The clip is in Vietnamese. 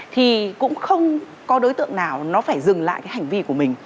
thì cũng không có đối tượng nào nó phải dừng lại cái hành vi của mình